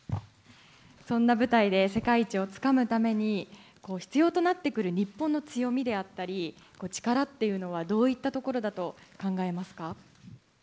そんな舞台で、世界一をつかむために、必要となってくる日本の強みであったり、力っていうのはどういったところだと考えますか。